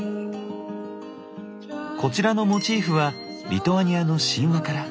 こちらのモチーフはリトアニアの神話から。